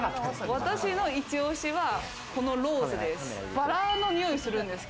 私のイチ押しはこのローズです。